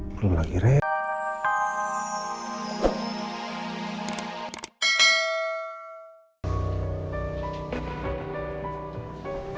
belum lagi reda